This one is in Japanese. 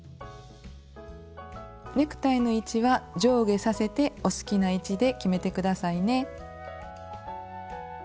ネクタイの位置は上下させてお好きな位置で決めて下さいね。